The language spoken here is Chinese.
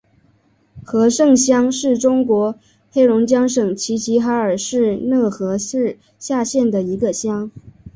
和盛乡是中国黑龙江省齐齐哈尔市讷河市下辖的一个乡。